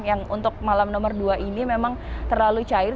yang untuk malam nomor dua ini memang terlalu cair